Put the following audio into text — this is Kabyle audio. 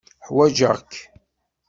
Ḥwajeɣ-k.